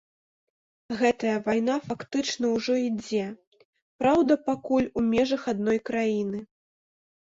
Гэтая вайна фактычна ўжо ідзе, праўда, пакуль у межах адной краіны.